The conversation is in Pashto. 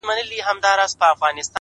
• بلبل سمدستي را ووت په هوا سو ,